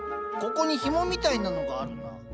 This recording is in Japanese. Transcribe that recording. ここにひもみたいなのがあるな。